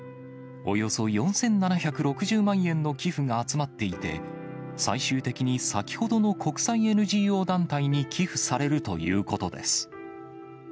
およそ４７６０万円の寄付が集まっていて、最終的に先ほどの国際ＮＧＯ団体に寄付されるということです。